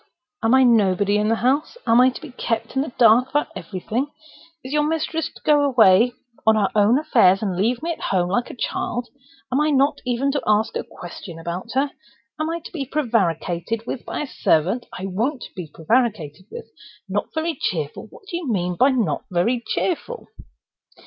Am I nobody in the house? Am I to be kept in the dark about everything? Is your mistress to go away on her own affairs, and leave me at home like a child—and am I not even to ask a question about her? Am I to be prevaricated with by a servant? I won't be prevaricated with! Not very cheerful? What do you mean by not very cheerful?"